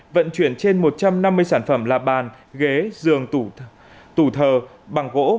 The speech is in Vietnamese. vận chuyển trên một trăm năm mươi sản phẩm là bàn ghế giường tủ thờ bằng gỗ